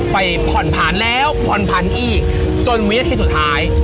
ไปผ่อนผันแล้วผ่อนผันอีกจนวินาทีสุดท้าย